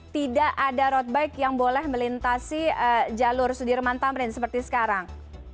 tidak ada road bike yang boleh melintasi jalur sudirman tamrin seperti sekarang